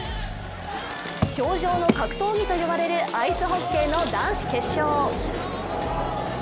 氷上の格闘技と呼ばれるアイスホッケーの男子決勝。